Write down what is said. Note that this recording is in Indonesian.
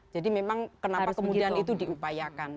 jadi memang kenapa kemudian itu diupayakan